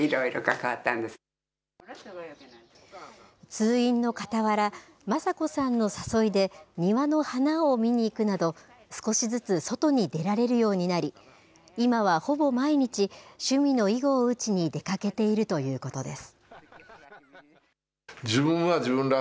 通院のかたわら、昌子さんの誘いで、庭の花を見に行くなど、少しずつ外に出られるようになり、今はほぼ毎日、趣味の囲碁を打ちに出かけているということです。